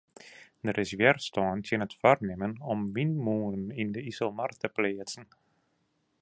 Der is wjerstân tsjin it foarnimmen om wynmûnen yn de Iselmar te pleatsen.